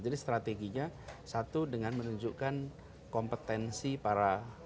jadi strateginya satu dengan menunjukkan kompetensi para